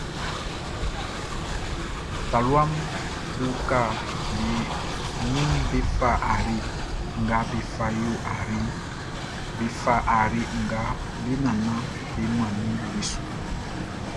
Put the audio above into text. Taluaʼm be uka be ninʼm be fa ayre nga be fa yo ayreʼn, be fa ayre nga be nannanʼm be mannin beʼn su.